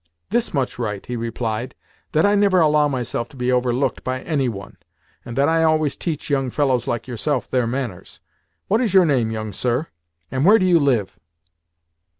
"This much right," he replied, "that I never allow myself to be overlooked by any one, and that I always teach young fellows like yourself their manners. What is your name, young sir, and where do you live?"